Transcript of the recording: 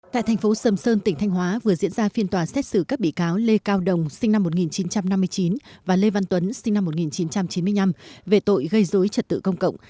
tại thành phố sầm sơn tỉnh thanh hóa vừa diễn ra phiên tòa xét xử các bị cáo lê cao đồng sinh năm một nghìn chín trăm năm mươi chín và lê văn tuấn sinh năm một nghìn chín trăm chín mươi năm về tội gây dối trật tự công cộng